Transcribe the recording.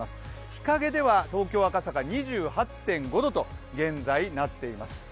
日陰では東京・赤坂、２８．５度と現在、なっています。